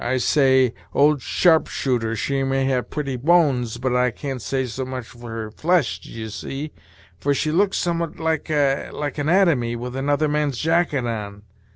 I say, old sharpshooter, she may have pretty bones, but I can't say so much for her flesh, d'ye see, for she looks somewhat like anatomy with another man's jacket on.